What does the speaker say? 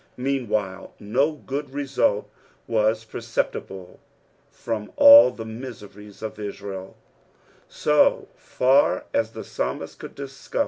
Meanwhile no g«>d result was perceptible from all the miseries of Israel ; so far as the psalmist could discow.